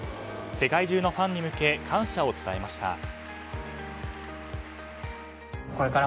世界中のファンへ向け感謝を伝えました。